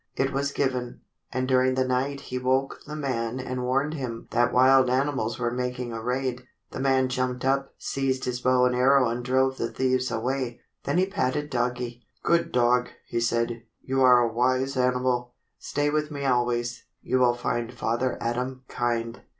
It was given, and during the night he woke the man and warned him that wild animals were making a raid. The man jumped up, seized his bow and arrow and drove the thieves away. Then he patted Doggie. "Good dog," he said. "You are a wise animal. Stay with me always. You will find Father Adam kind."